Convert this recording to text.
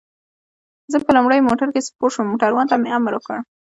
زه په لومړي موټر کې سپور شوم، موټروان ته مې امر وکړ.